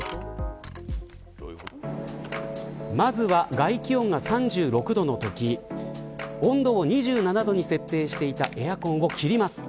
まずは、外気温が３６度のとき温度を２７度に設定していたエアコンを切ります。